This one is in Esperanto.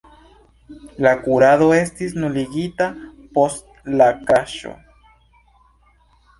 La kurado estis nuligita post la kraŝo.